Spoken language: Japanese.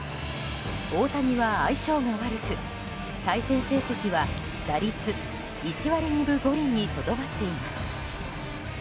大谷は相性も悪く対戦成績は打率１割２分５厘にとどまっています。